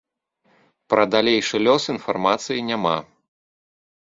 Пра далейшы лёс інфармацыі няма.